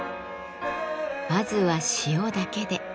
まずは塩だけで。